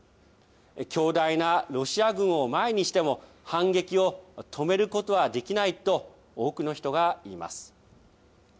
強大なロシア軍を前にしても、反撃を止めることはできないと多くの人が言います。